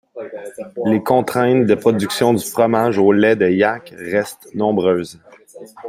Les contraintes de production du fromage au lait de yack restent nombreuses.